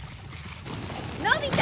のび太！